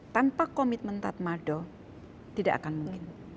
tanpa komitmen tatmado tidak akan mungkin